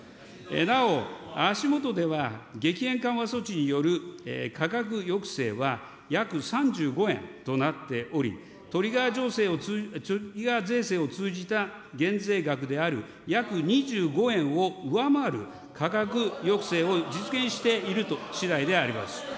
なお、足下では激変緩和措置による価格抑制は約３５円となっており、トリガー税制を通じた減税額である約２５円を上回る価格抑制を実現しているしだいであります。